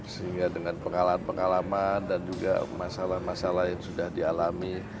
sehingga dengan pengalaman pengalaman dan juga masalah masalah yang sudah dialami